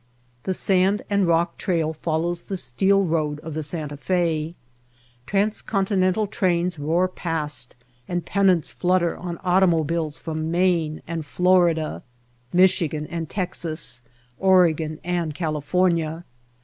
The sand and rock trail follows the steel road of the Santa Fe . Transcontinental trains roar past and pennants flutter on automo biles from Maine and P^lorida, Michigan and Texas, Oregon and California.